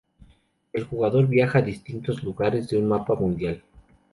El jugador viaja a distintos lugares de un mapa mundial.